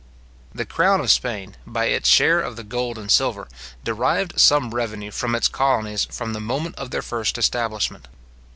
The crown of Spain, by its share of the gold and silver, derived some revenue from its colonies from the moment of their first establishment.